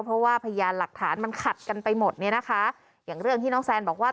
เพราะว่าพยานหลักฐานมันขัดกันไปหมดเนี่ยนะคะอย่างเรื่องที่น้องแซนบอกว่า